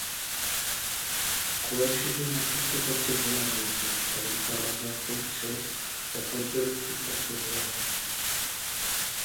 কুরাইশের জন্য অপেক্ষা করতে বলা হয়েছে এবং তারা যা করছে তা পর্যবেক্ষণ করতে বলা হয়েছে।